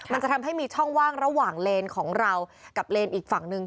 มันจะทำให้มีช่องว่างระหว่างเลนของเรากับเลนอีกฝั่งหนึ่ง